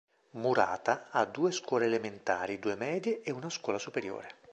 Murata ha due scuole elementari, due medie e una scuola superiore.